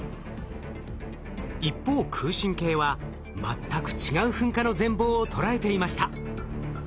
一方空振計は全く違う噴火の全貌を捉えていました。